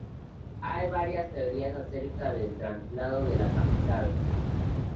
Hay varías teorías acerca del traslado de la capital.